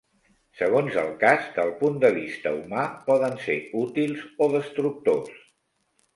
Segons el cas, del punt de vista humà, poden ser útils o destructors.